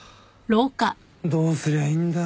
どうすりゃいいんだ。